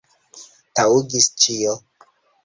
Taŭgis ĉio.